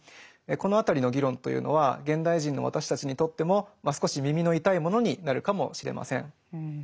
この辺りの議論というのは現代人の私たちにとっても少し耳の痛いものになるかもしれません。